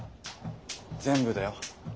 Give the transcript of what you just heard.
全部だよ。